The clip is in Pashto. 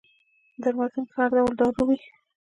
درملتون کي هر ډول دارو وي